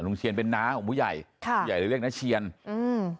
เชียนเป็นน้าของผู้ใหญ่ค่ะผู้ใหญ่เลยเรียกน้าเชียนอืม